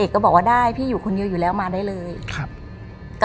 ก็บอกว่าได้พี่อยู่คนเดียวอยู่แล้วมาได้เลยครับ